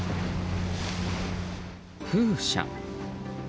風車。